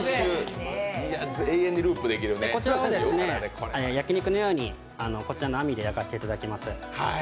こちらを焼き肉のようにこちらの網で焼かせていただきます。